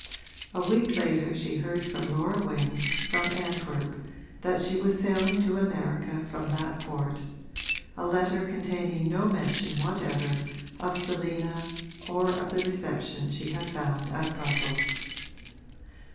A week later she heard from Laura Wing, from Antwerp, that she was sailing to America from that port a letter containing no mention whatever of Selina or of the reception she had found at Brussels.